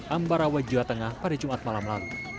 ambarawa jawa tengah pada jumat malam lalu